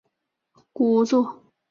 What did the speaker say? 古座川町是和歌山县的一町。